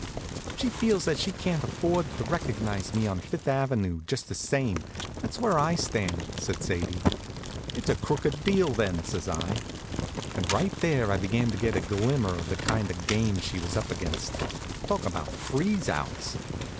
"She feels that she can't afford to recognize me on Fifth ave., just the same. That's where I stand," says Sadie. "It's a crooked deal, then," says I. And right there I began to get a glimmer of the kind of game she was up against. Talk about freeze outs!